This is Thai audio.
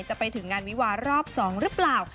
ไปถึงงานวิวารอบ๒หรือเปล่า